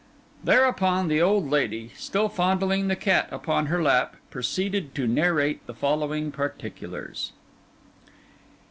Thereupon the old lady, still fondling the cat upon her lap, proceeded to narrate the following particulars.